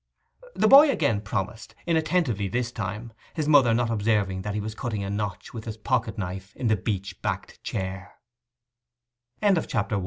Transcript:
The boy again promised, inattentively this time, his mother not observing that he was cutting a notch with his pocket knife in the beech ba